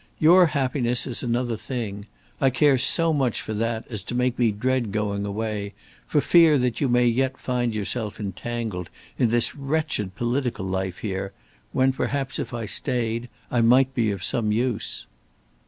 Your happiness is another thing. I care so much for that as to make me dread going away, for fear that you may yet find yourself entangled in this wretched political life here, when, perhaps if I stayed, I might be of some use."